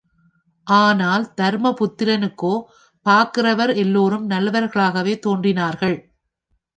ஆனால் தருமபுத்திரனுக்கோ பார்க்கிறவர் எல்லோரும் நல்லவர்களாகவே தோன்றினார்கள்.